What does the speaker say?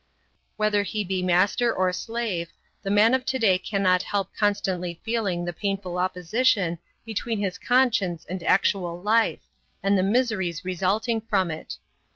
Whether he be master or slave, the man of to day cannot help constantly feeling the painful opposition between his conscience and actual life, and the miseries resulting from it.